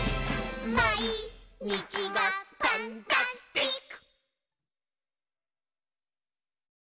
「まいにちがパンタスティック！」